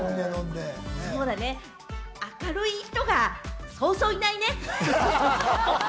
明るい人がそうそういないね。